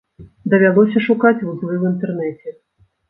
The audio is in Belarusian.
Давялося шукаць вузлы ў інтэрнэце.